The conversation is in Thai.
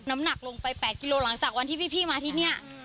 น้ำหนักลงไป๘กิโลหลังจากวันที่พี่มาที่นี่